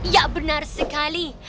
ya benar sekali